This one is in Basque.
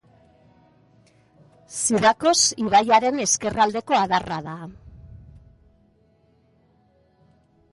Zidakos ibaiaren ezkerraldeko adarra da.